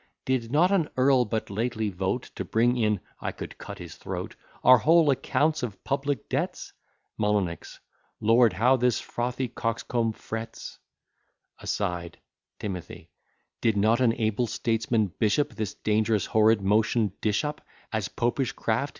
Did not an earl but lately vote, To bring in (I could cut his throat) Our whole accounts of public debts? M. Lord, how this frothy coxcomb frets! [Aside. T. Did not an able statesman bishop This dangerous horrid motion dish up As Popish craft?